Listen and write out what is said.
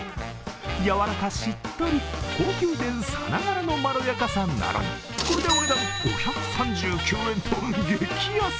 やわらかしっとり、高級店さながらのまろやかさなのにこれでお値段５３９円と激安！